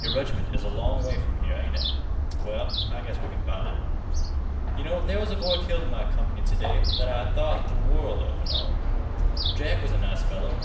Your reg'ment is a long way from here, ain't it? Well, I guess we can find it. Yeh know there was a boy killed in my comp'ny t' day that I thought th' world an' all of. Jack was a nice feller.